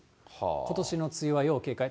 ことしの梅雨は要警戒。